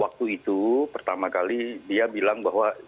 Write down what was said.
waktu itu pertama kali dia bilang bahwa